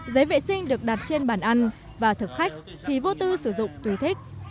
giấy vệ sinh được đặt trên bàn ăn và thực khách thì vô tư sử dụng tùy thích